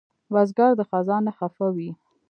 بزګر د خزان نه خفه وي